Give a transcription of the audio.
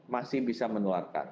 masih bisa menularkan